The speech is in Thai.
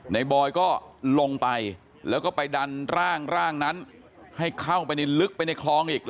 บอยก็ลงไปแล้วก็ไปดันร่างนั้นให้เข้าไปในลึกไปในคลองอีก